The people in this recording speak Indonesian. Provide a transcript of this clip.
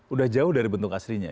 udah jauh dari bentuk aslinya